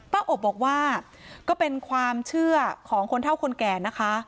อบบอกว่าก็เป็นความเชื่อของคนเท่าคนแก่นะคะ